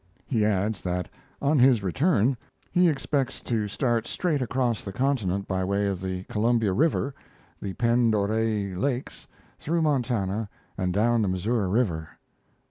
He adds that on his return he expects to start straight across the continent by way of the Columbia River, the Pend Oreille Lakes, through Montana and down the Missouri River.